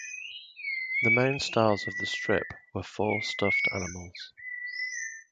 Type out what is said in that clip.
The main stars of the strip were four stuffed animals.